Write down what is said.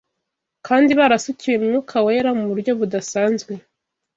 kandi barasukiwe Mwuka Wera mu buryo budasanzwe